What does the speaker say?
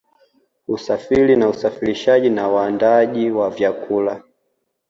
Usafiri na usafirishaji na waandaaji wa vyakula